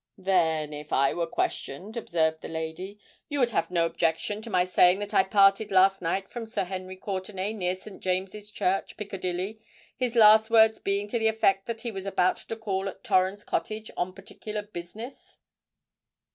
"Then, if I were questioned," observed the lady, "you would have no objection to my saying that I parted last night from Sir Henry Courtenay near St. James's Church, Piccadilly, his last words being to the effect that he was about to call at Torrens Cottage on particular business?"